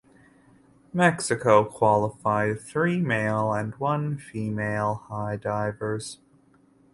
Mexico qualified three male and one female high divers.